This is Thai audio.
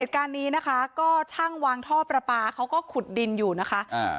เหตุการณ์นี้นะคะก็ช่างวางท่อประปาเขาก็ขุดดินอยู่นะคะอ่า